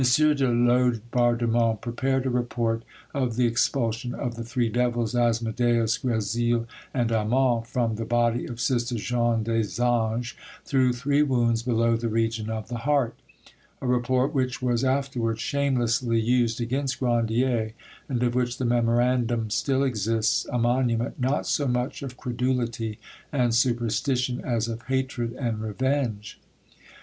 de Laubardemont prepared a report of the expulsion of the three devils, Asmodeus, Gresil, and Aman, from the body of sister Jeanne des Anges, through three wounds below the region of the heart; a report which was afterwards shamelessly used against Grandier, and of which the memorandum still exists, a monument, not so much of credulity and superstition, as of hatred and revenge.